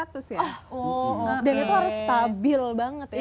dan itu harus stabil banget ya